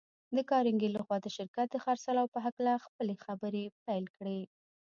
د کارنګي لهخوا د شرکت د خرڅلاو په هکله خپلې خبرې پيل کړې.